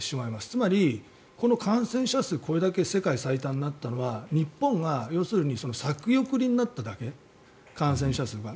つまり、感染者数これだけ世界最多になったのは日本が要するに先送りになっただけ感染者数が。